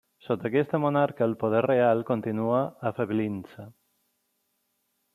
Sota aquest monarca, el poder reial continua afeblint-se.